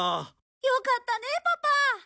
よかったねパパ。